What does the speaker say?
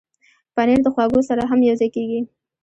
پنېر د خواږو سره هم یوځای کېږي.